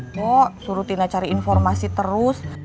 empok suruh tina cari informasi terus